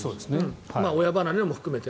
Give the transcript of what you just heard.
親離れも含めて。